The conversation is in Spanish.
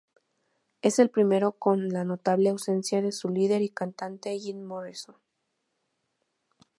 Es el primero con la notable ausencia de su líder y cantante Jim Morrison.